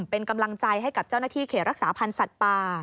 เป็นกำลังใจให้กับเจ้าหน้าที่เขตรักษาพันธ์สัตว์ป่า